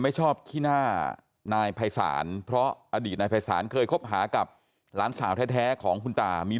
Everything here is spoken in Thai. ก็ไม่ชอบขี้หน้านายพยสารเพราะอดีตนายภายศาลเคยคบหากับหลานสาวแท้ของคุณตามีลูกด้วยกัน๒คน